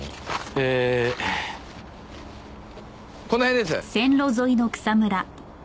ええこの辺です。